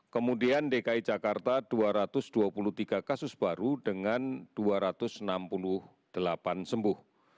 kemudian dki jakarta dua ratus dua puluh tiga kasus baru dengan dua ratus enam puluh delapan sembuh